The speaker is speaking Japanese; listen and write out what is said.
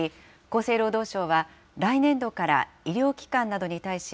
厚生労働省は、来年度から医療機関などに対し、